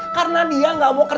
karena dia gak mau kerja berangkat